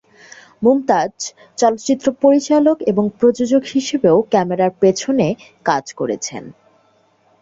মুমতাজ চলচ্চিত্র পরিচালক এবং প্রযোজক হিসেবেও ক্যামেরার পিছনে কাজ করেছেন।